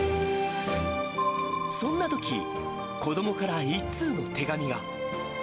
そんなとき、子どもから一通の手紙が。